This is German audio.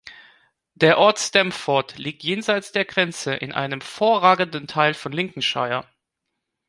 Der Ort Stamford liegt jenseits der Grenze in einem vorragenden Teil von Lincolnshire.